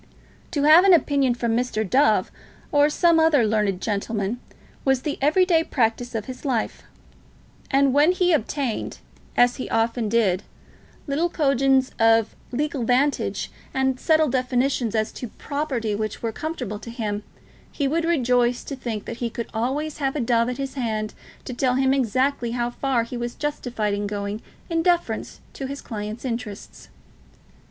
To have an opinion from Mr. Dove, or some other learned gentleman, was the every day practice of his life; and when he obtained, as he often did, little coigns of legal vantage and subtle definitions as to property which were comfortable to him, he would rejoice to think that he could always have a Dove at his hand to tell him exactly how far he was justified in going in defence of his clients' interests.